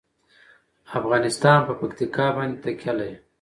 افغانستان په پکتیکا باندې تکیه لري.